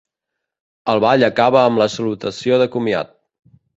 El ball acaba amb la salutació de comiat.